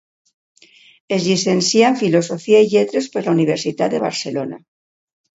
Es llicencià en Filosofia i Lletres per la Universitat de Barcelona.